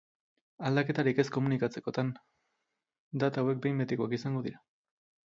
Aldaketarik ez komunikatzekotan, data hauek behin betikoak izango dira.